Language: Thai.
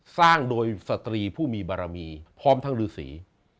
สร้างโดยศตรีผู้มีบรรมีพร้อมทั้งหรือศรี